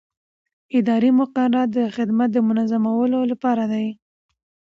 اداري مقررات د خدمت د منظمولو لپاره دي.